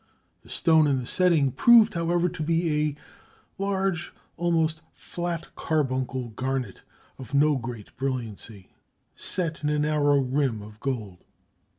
The stone in the setting proved, however, to be a large almost flat carbuncle garnet of no great brilliancy, set in a narrow rim of gold.